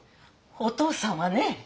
お父さんはね